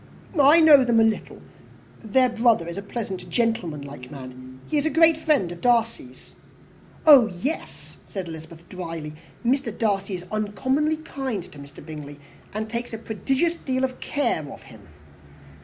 "I know them a little. Their brother is a pleasant, gentlemanlike man he is a great friend of Darcy's." "Oh yes," said Elizabeth drily "Mr. Darcy is uncommonly kind to Mr. Bingley, and takes a prodigious deal of care of him."